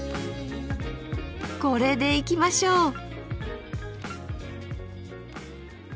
これでいきましょう！